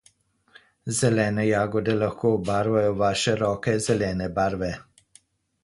Zelene jagode lahko obarvajo vaše roke zelene barve.